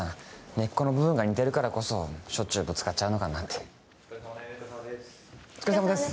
根っこの部分が似てるからこそしょっちゅうぶつかっちゃうのかなってお疲れさまです